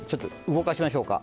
動かしましょうか。